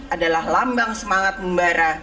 adalah lambang semangat membara